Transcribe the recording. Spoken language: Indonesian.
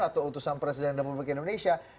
atau utusan presiden depan pembangunan indonesia